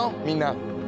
みんな！